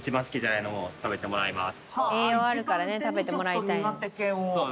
「栄養あるからね食べてもらいたい」